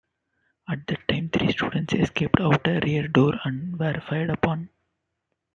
At that time three students escaped out a rear door and were fired upon.